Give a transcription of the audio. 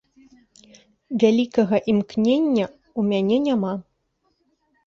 Вялікага імкнення ў мяне няма.